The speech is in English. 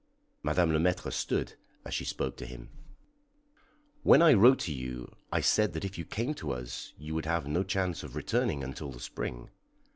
Madame Le Maître stood as she spoke to him: "When I wrote to you I said that if you came to us you would have no chance of returning until the spring.